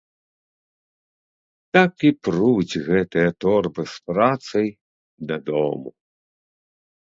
Так і пруць гэтыя торбы з працай дадому.